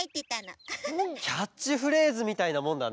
キャッチフレーズみたいなもんだね。